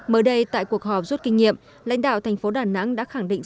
mới đây tại cuộc họp rút kinh nghiệm lãnh đạo thành phố đà nẵng đã khẳng định